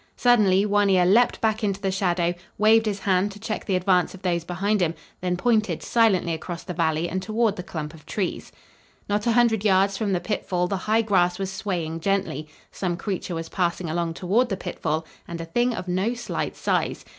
Suddenly One Ear leaped back into the shadow, waved his hand to check the advance of those behind him, then pointed silently across the valley and toward the clump of trees. Not a hundred yards from the pitfall the high grass was swaying gently; some creature was passing along toward the pitfall and a thing of no slight size.